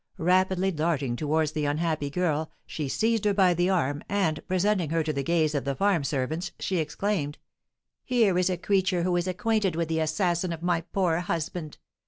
Rapidly darting towards the unhappy girl, she seized her by the arm, and, presenting her to the gaze of the farm servants, she exclaimed: "Here is a creature who is acquainted with the assassin of my poor husband!